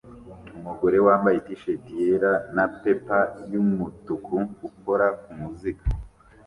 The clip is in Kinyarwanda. Umugore wambaye T-shati yera na pepper yumutuku ukora kumuziga